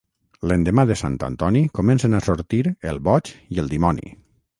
L'endemà de Sant Antoni comencen a sortir el boig i el dimoni.